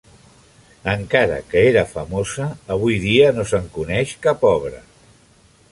Encara que era famosa, avui dia no se'n coneix cap obra.